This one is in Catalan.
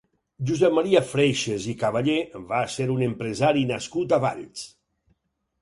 Josep Maria Freixes i Cavallé va ser un empresari nascut a Valls.